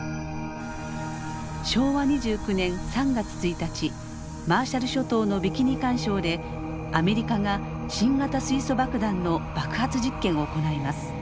昭和２９年３月１日マーシャル諸島のビキニ環礁でアメリカが新型水素爆弾の爆発実験を行います。